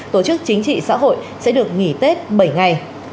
tổ chức chính trị xã hội sẽ được nghỉ tết bảy ngày